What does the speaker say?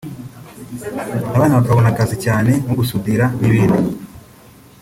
abana bakabona akazi cyane nko gusudira n’ibindi”